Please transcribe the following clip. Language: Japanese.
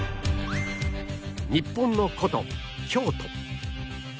日本の古都京都